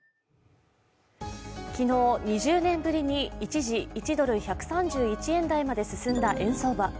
昨日２０年ぶりに一時１ドル＝１３１円台まで進んだ円相場。